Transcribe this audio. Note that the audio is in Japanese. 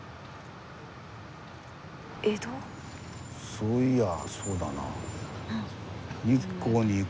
そういやあそうだな。